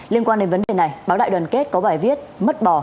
liên quan đến vấn đề này báo đại đoàn kết có bài viết mất bò